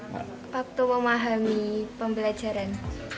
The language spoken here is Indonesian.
waktu memahami pembelajaran